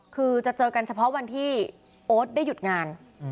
คือจะเจอกันเฉพาะวันที่โอ๊ตได้หยุดงาน